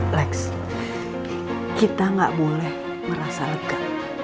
lex kita gak boleh merasa lega